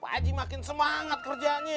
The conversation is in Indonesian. pak haji makin semangat kerjanya